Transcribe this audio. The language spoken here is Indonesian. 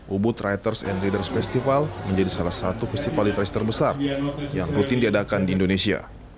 ubud writers and readers festival menjadi salah satu festivalitas terbesar yang rutin diadakan di indonesia